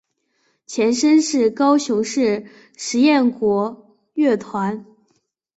前身是高雄市实验国乐团。